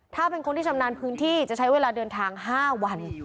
ถ้าเป็นคนที่ชำนาญพื้นที่จะใช้เวลาเดินทาง๕วัน